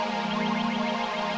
hati hati di jalan